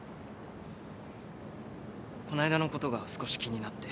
この間のことが少し気になって。